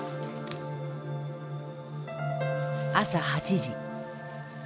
朝８時。